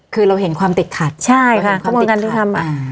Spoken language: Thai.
คือเราเห็นความติดขัดใช่ค่ะกระบวนการยุติธรรมอ่า